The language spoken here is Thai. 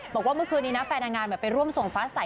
บอกว่าเมื่อคืนนี้นะแฟนนางงามไปร่วมส่งฟ้าใส